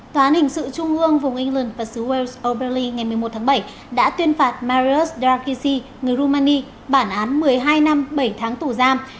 tòa án hình sự trung ương vùng england và xứ wales o berley ngày một mươi một tháng bảy đã tuyên phạt marius dargissi người rumani bản án một mươi hai năm bảy tháng tù giam